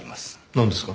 なんですか？